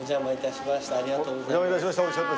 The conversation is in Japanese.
ありがとうございます。